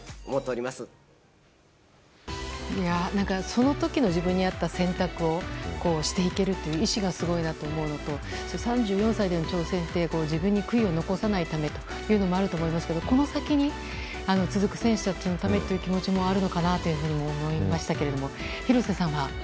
その時の自分に合った選択をしていけるという意思がすごいなと思うのと３４歳での挑戦って自分に悔いを残さないためというのもあると思いますがこの先に続く選手たちのためという気持ちもあるのかなと思いましたけれども廣瀬さんは？